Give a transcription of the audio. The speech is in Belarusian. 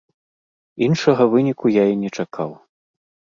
Іншага выніку я і не чакаў.